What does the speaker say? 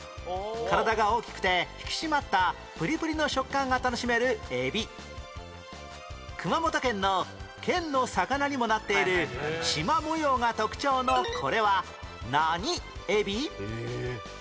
体が大きくて引き締まったプリプリの食感が楽しめる海老熊本県の県の魚にもなっている縞模様が特徴のこれは何海老？